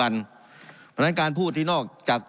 การปรับปรุงทางพื้นฐานสนามบิน